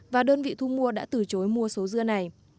và đơn vị thu mua đã từ chối mua số dưa này